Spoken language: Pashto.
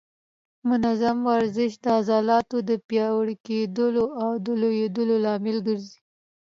منظم ورزش د عضلاتو د پیاوړي کېدو او لویېدو لامل ګرځي.